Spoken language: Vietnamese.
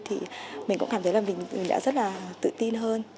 thì mình cũng cảm thấy là mình đã rất là tự tin hơn